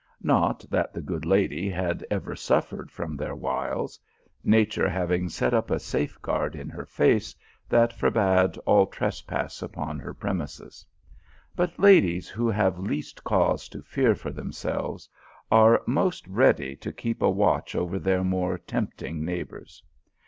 Not that the good lady had ever suffered from their wiles ; nature having set up a safeguard in her face, that forbade all trespass upon her premises ; but ladies who have least cause to fear for themselves, are most ready to keep a watch over their more tempting neighbours.